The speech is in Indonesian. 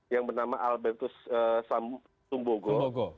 yang bernama albertus sumbogo